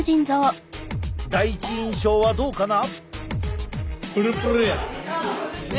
第一印象はどうかな？